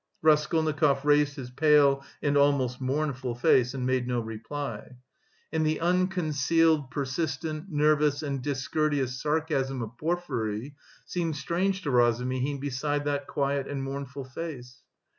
Raskolnikov raised his pale and almost mournful face and made no reply. And the unconcealed, persistent, nervous, and discourteous sarcasm of Porfiry seemed strange to Razumihin beside that quiet and mournful face.